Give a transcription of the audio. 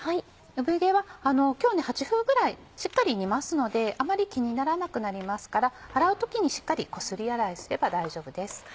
産毛は今日８分ぐらいしっかり煮ますのであまり気にならなくなりますから洗う時にしっかりこすり洗いすれば大丈夫です。